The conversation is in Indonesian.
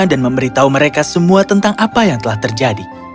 dan memberitahu mereka semua tentang apa yang telah terjadi